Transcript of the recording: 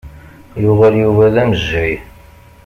Yuɣal Yuba d amejjay.